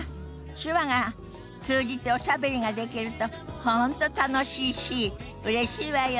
手話が通じておしゃべりができると本当楽しいしうれしいわよね。